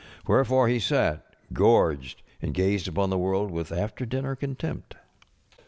Wherefore he sat, gorged, and gazed upon the world with after dinner contempt.